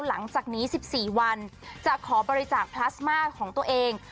หลังจากนี้๑๔วันจะขอบริจาคพลาสมาของตัวเอง